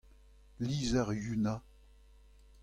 Lizher Yuna.